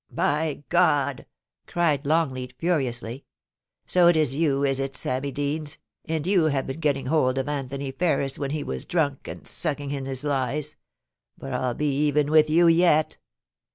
' By God !' cried Longleat, furiously. * So it is you, is it, Sammy Deans, and you have been getting hold of Anthony Ferris when he was drunk, and sucking in his lies. But Fll be even with you yet